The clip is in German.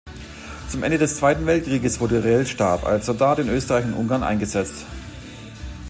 Zum Ende des Zweiten Weltkrieges wurde Rellstab als Soldat in Österreich und Ungarn eingesetzt.